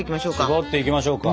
しぼっていきましょうか。